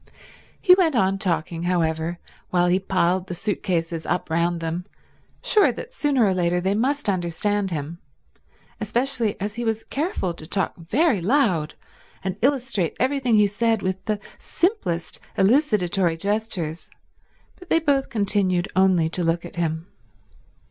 He went on talking, however, while he piled the suit cases up round them, sure that sooner or later they must understand him, especially as he was careful to talk very loud and illustrate everything he said with the simplest elucidatory gestures, but they both continued only to look at him.